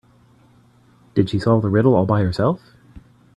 Did she solve the riddle all by herself?